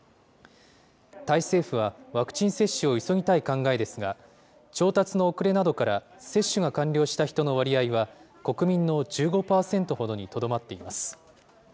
タイ政府は、ワクチン接種を急ぎたい考えですが、調達の遅れなどから接種が完了した人の割合は、国民の１５％ほどにとどまっています。